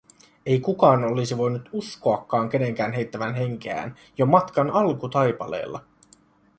Ei kukaan olisi voinut uskoakaan kenenkään heittävän henkeään jo matkan alkutaipaleella.